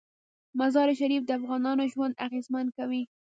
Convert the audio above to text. مزارشریف د افغانانو ژوند اغېزمن کوي.